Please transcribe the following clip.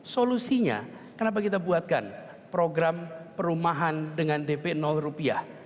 solusinya kenapa kita buatkan program perumahan dengan dp rupiah